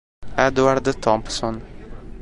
Edward Thompson